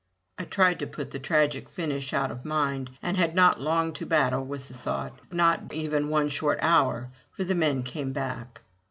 I tried to put the tragic finish out of mind, and had not long to battle with the thought; not even one short hour, for the men came back.